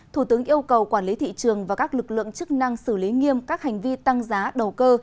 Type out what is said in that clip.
thủ tướng yêu cầu quản lý thị trường và các lực lượng chức năng xử lý nghiêm các hành vi tăng giá đầu cơ